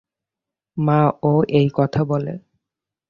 মা ও এই কথা বলে।